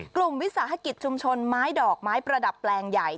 วิสาหกิจชุมชนไม้ดอกไม้ประดับแปลงใหญ่